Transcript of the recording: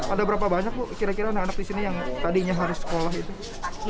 ada berapa banyak bu kira kira anak anak di sini yang tadinya harus sekolah itu